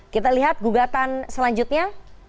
kita lihat gugatan selanjutnya